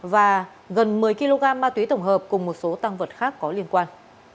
và gần một mươi kg ma túy tổng hợp cùng một số tăng vật khác có liên quan